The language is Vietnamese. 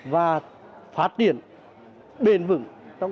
và phát triển bền vững